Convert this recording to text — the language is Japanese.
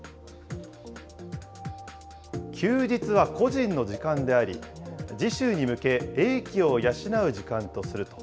休日は個人の時間であり、次週に向け英気を養う時間とすると。